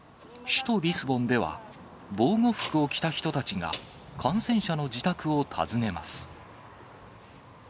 首都リスボンでは、防護服を着た人たちが、感染者の自宅を訪ねます。